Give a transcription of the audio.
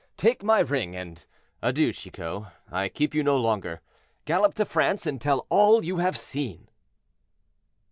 Take my ring, and adieu, Chicot; I keep you no longer, gallop to France, and tell all you have seen."